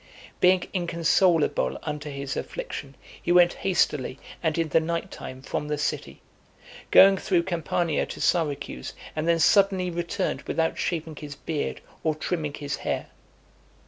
Being inconsolable under his affliction, he went hastily, and in the night time, from the City; going through Campania to Syracuse, and then suddenly returned without shaving his beard, or trimming his hair.